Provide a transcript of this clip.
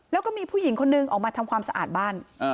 แล้วก็มีผู้หญิงคนนึงออกมาทำความสะอาดบ้าน